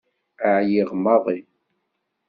Ɛyiɣ maḍi.